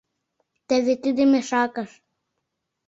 Теве тиде мешакыш.